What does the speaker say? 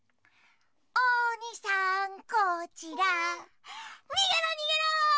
おにさんこちらにげろにげろ！